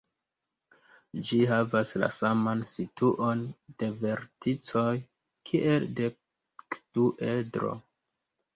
Ĝi havas la saman situon de verticoj kiel dekduedro.